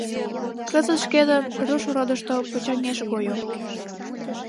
Кызыт шкетын Рушродышто почаҥеш гойо.